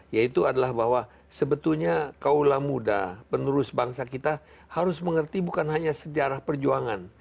yaitu adalah bahwa sebetulnya kaulah muda penerus bangsa kita harus mengerti bukan hanya sejarah perjuangan